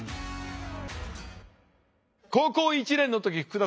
高校１年の時福田さん